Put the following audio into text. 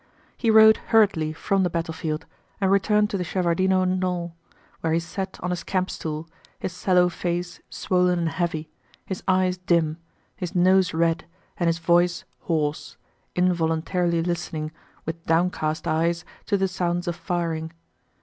He rode hurriedly from the battlefield and returned to the Shevárdino knoll, where he sat on his campstool, his sallow face swollen and heavy, his eyes dim, his nose red, and his voice hoarse, involuntarily listening, with downcast eyes, to the sounds of firing.